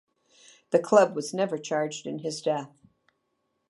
The club was never charged in his death.